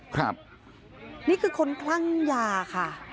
ครับนี่คือคนคลั่งยาค่ะ